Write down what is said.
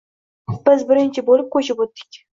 Biz birinchi bo'lib ko'chib o'tdik.